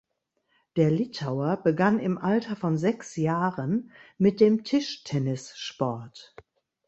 Der Litauer begann im Alter von sechs Jahren mit dem Tischtennissport.